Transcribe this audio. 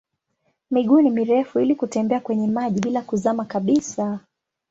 Miguu ni mirefu ili kutembea kwenye maji bila kuzama kabisa.